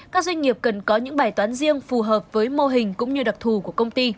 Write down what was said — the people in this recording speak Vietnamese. các doanh nghiệp cần có những bài toán riêng phù hợp với mô hình cũng như đặc thù của công ty